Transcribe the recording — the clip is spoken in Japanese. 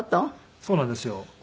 そうなんですよ。